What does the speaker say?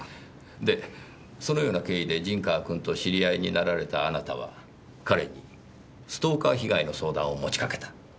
でそのような経緯で陣川君と知り合いになられたあなたは彼にストーカー被害の相談を持ちかけた。